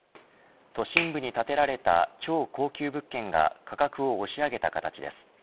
都心部に建てられた超高級物件が価格を押し上げた形です。